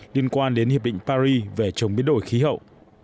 liên quan đến hiệp định paris về chống biến đổi khí hậu